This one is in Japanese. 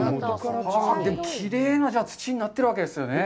きれいな土になってるわけですね。